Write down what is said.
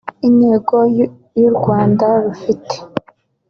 Intego u Rwanda rufite